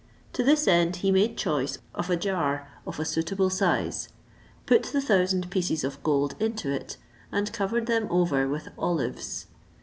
To this end, he made choice of a jar of a suitable size, put the thousand pieces of gold into it, and covered them over with olives.